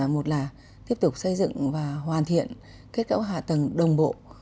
một là tiếp tục xây dựng và hoàn thiện kết cấu hạ tầng đồng bộ